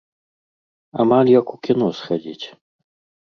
Амаль як у кіно схадзіць.